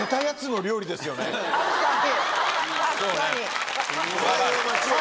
確かに。